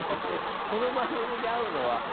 この番組で会うのは初めて。